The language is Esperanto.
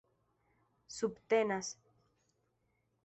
subtenas